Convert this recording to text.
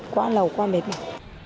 quá lâu quá mệt mệt